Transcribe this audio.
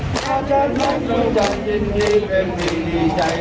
ถ้าเจ้านั่งจนจำยิ่นนี้เป็นพี่ดีใจ